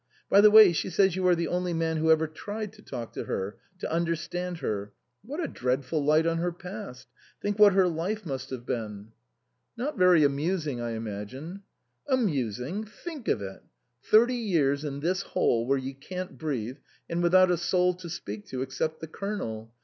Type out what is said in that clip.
By the way, she says you are the only man who ever tried to talk to her to understand her. What a dreadful light on her past ! Think what her life must have been." 109 THE COSMOPOLITAN " Not very amusing, I imagine." " Amusing ! Think of it. Thirty years in this hole, where you can't breathe, and with out a soul to speak to except the Colonel.